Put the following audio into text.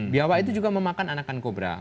biawak itu juga memakan anakan kobra